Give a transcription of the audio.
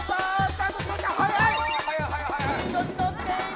スピードにのっている！